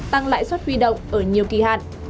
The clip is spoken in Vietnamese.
tăng lãi suất huy động ở nhiều kỳ hạn